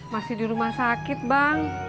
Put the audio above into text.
masih di rumah sakit bang